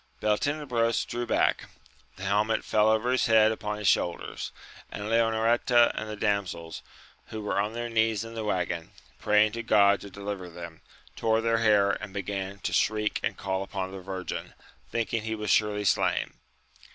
Beltenebros drew back ; the helmet fell over his head upon his shoulders, and Leonoreta and the damsels, who were on their knees in the waggon, praying to God to deliver them, tore their hair and began to shriek and call upon the Virgin, thinking he was surely slain.